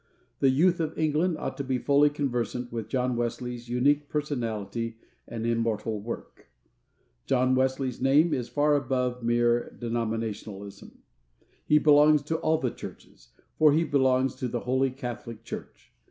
The youth of England ought to be fully conversant with John Wesley's unique personality and immortal work. John Wesley's name is far above mere denominationalism. He belongs to all the churches, for he belongs to the "Holy Catholic Church."